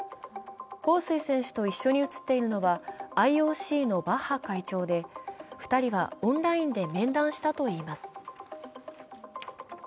彭帥選手と一緒に写っているのはＩＯＣのバッハ会長で２人はオンラインで面談したといいます。